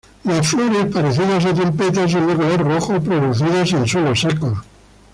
Las flores, parecidas a trompetas, son de color rojo producidas en suelos secos.